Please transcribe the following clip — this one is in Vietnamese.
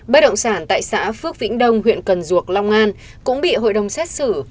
bất động sản tại xã phước vĩnh đông huyện cần duộc long an cũng bị hội đồng xét xử